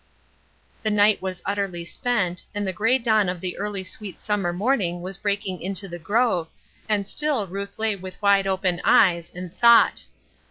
The night was utterly spent, and the gray dawn of the early sweet summer morning was breaking into the grove, and still Ruth lay with wide open eyes, and thought.